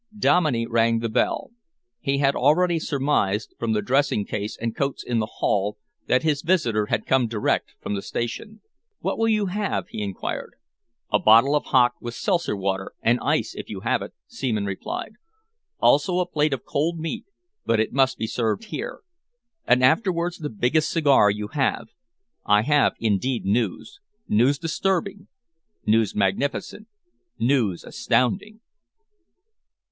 Dominey rang the bell. He had already surmised, from the dressing case and coats in the hall, that his visitor had come direct from the station. "What will you have?" he enquired. "A bottle of hock with seltzer water, and ice if you have it," Seaman replied. "Also a plate of cold meat, but it must be served here. And afterwards the biggest cigar you have. I have indeed news, news disturbing, news magnificent, news astounding."